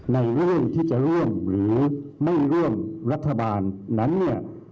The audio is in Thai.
ในเรื่องที่จะร่วมหรือไม่ร่วมรัฐบาลนั้นเนี่ย